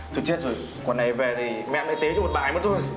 thôi chết rồi quần này về thì mẹ em lại tế cho một bài mà thôi